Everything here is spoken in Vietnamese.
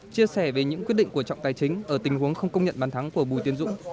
chia sẻ về những quyết định của trọng tài chính ở tình huống không công nhận bàn thắng của bùi tiến dũng